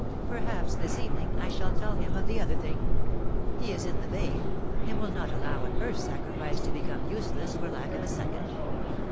Perhaps this evening I shall tell him of the other thing. He is in the vein, and will not allow a first sacrifice to become useless for lack of a second.